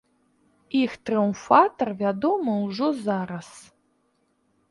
Іх трыумфатар вядомы ўжо зараз.